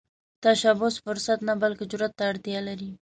تشبث فرصت نه، بلکې جرئت ته اړتیا لري